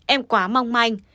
em quá mong manh